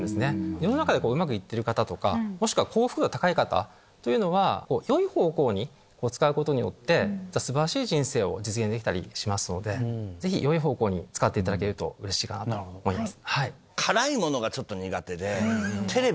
世の中でうまく行ってる方とかもしくは幸福度が高い方というのは良い方向に使うことによって素晴らしい人生を実現できたりしますのでぜひ良い方向に使っていただけるとうれしいかなと思います。